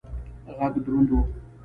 غږ دروند و.